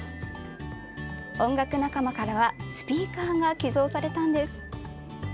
音楽仲間からはスピーカーが寄贈されたのです。